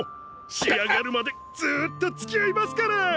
仕上がるまでずっとつきあいますから！